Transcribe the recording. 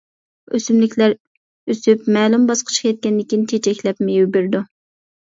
ئۆسۈملۈكلەر ئۆسۈپ مەلۇم باسقۇچقا يەتكەندىن كېيىن چېچەكلەپ مېۋە بېرىدۇ.